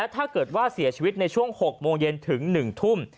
ถ้าเกิดว่าเสียชีวิตในช่วง๖โมงเย็นถึง๑ทุ่ม